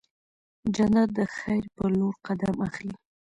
جانداد د خیر په لور قدم اخلي.